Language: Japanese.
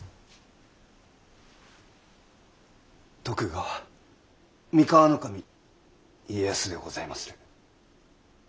徳川三河守家康でございまする。